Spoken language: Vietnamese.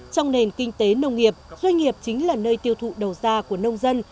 trong nền kinh tế nông nghiệp doanh nghiệp chính là nơi tiêu thụ đầu ra của nông dân